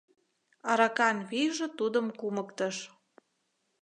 Аракан вийже тудым кумыктыш.